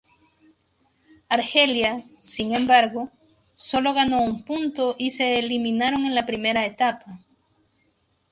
Argelia, sin embargo, sólo ganó un punto y se eliminaron en la primera etapa.